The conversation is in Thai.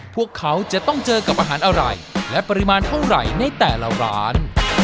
พวกเขาจะต้องเจอกับอาหารอะไรและปริมาณเท่าไหร่ในแต่ละร้าน